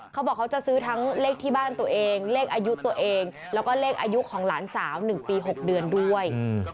เขาบอกเขาจะซื้อทั้งเลขที่บ้านตัวเองเลขอายุตัวเองแล้วก็เลขอายุของหลานสาว๑ปี๖เดือนด้วย